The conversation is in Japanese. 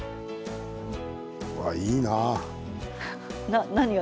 いいな。